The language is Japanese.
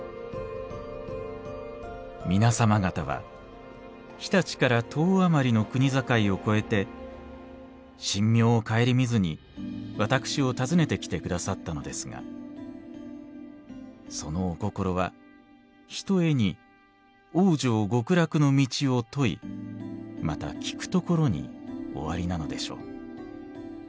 「皆さま方は常陸から十余りの国境を越えて身命を顧みずに私を訪ねてきてくださったのですがそのお心はひとえに『往生極楽の道』を問いまた聞くところにおありなのでしょう。